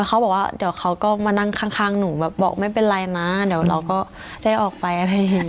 เขาบอกว่าเดี๋ยวเขาก็มานั่งข้างหนูแบบบอกไม่เป็นไรนะเดี๋ยวเราก็ได้ออกไปอะไรอย่างนี้